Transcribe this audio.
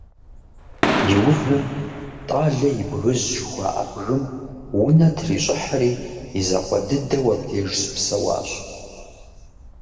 Иужьым «Тӏалэ и бгыжь» жыхуаӏэ бгым унэ трищӏыхьри, и закъуэ дыдэу абдеж щыпсэуащ.